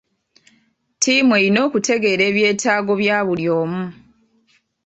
Ttiimu erina okutegeera ebyetaago bya buli omu.